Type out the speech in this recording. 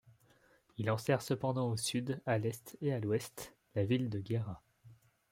Il enserre cependant au sud, à l'est et à l'ouest la ville de Gera.